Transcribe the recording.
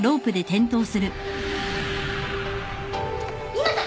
今だ！